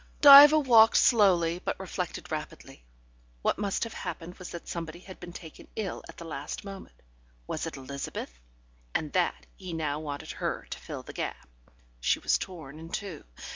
Diva walked slowly, but reflected rapidly. What must have happened was that somebody had been taken ill at the last moment was it Elizabeth? and that he now wanted her to fill the gap. ... She was torn in two.